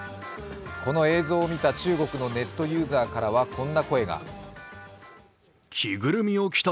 この映像を見た中国のネットユーザーからはこんな声が。